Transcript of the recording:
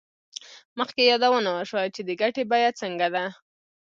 مخکې یادونه وشوه چې د ګټې بیه څنګه ده